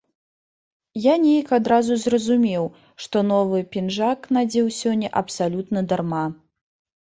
Я неяк адразу зразумеў, што новы пінжак надзеў сёння абсалютна дарма.